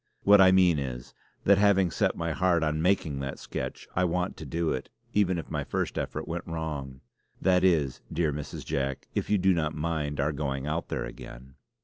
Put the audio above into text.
What I mean is, that having set my heart on making that sketch, I want to do it; even if my first effort went wrong. That is, dear Mrs. Jack, if you do not mind our going out there again."